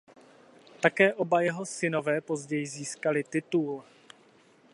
Také oba jeho synové později získali titul.